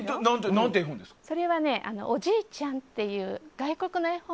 それは「おじいちゃん」っていう外国の絵本。